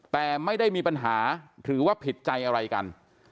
แต่ไม่ได้มีปัญหาหรือว่าผิดใจอะไรกัน